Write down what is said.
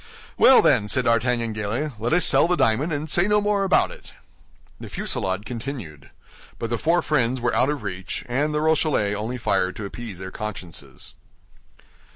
"Well, then," said D'Artagnan, gaily, "let us sell the diamond, and say no more about it." The fusillade continued; but the four friends were out of reach, and the Rochellais only fired to appease their consciences.